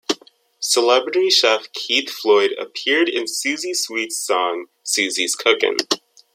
Celebrity chef Keith Floyd appeared in Suzie Sweet's song "Suzie's Cookin'".